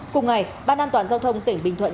cùng ngày ban an toàn giao thông tỉnh bình thuận